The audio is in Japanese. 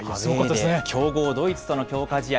強豪ドイツとの強化試合。